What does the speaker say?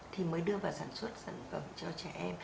thì mới đưa vào sản xuất sản phẩm cho trẻ em